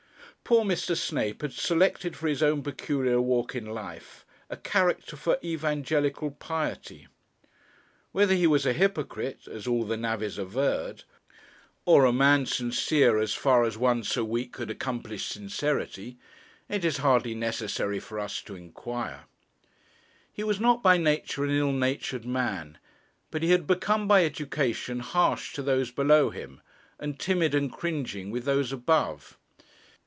Poor Mr. Snape had selected for his own peculiar walk in life a character for evangelical piety. Whether he was a hypocrite as all the navvies averred or a man sincere as far as one so weak could accomplish sincerity, it is hardly necessary for us to inquire. He was not by nature an ill natured man, but he had become by education harsh to those below him, and timid and cringing with those above.